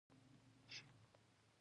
زده کړه د غربت په کمولو کې مرسته کوي.